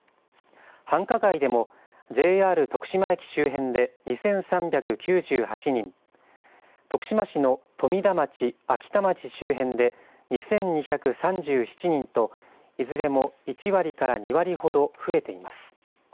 繁華街でもＪＲ徳島駅周辺で２３９８人、徳島市の富田町、秋田町周辺で２２３７人といずれも１割から２割ほど増えています。